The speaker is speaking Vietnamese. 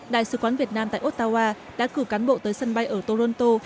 đại sứ quán việt nam tại ottawa đã cử cán bộ tới sân bay ở toronto